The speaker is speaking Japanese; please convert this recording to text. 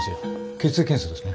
血液検査ですね。